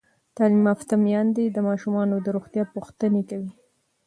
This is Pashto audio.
تعلیم یافته میندې د ماشومانو د روغتیا پوښتنې کوي.